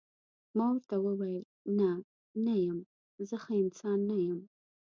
ما ورته وویل: نه، نه یم، زه ښه انسان نه یم.